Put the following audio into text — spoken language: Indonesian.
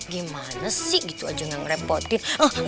gimana sih gitu aja gak merepotkan